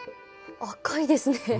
赤いですね。